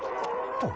あっ。